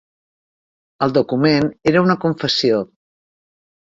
El document era una confessió.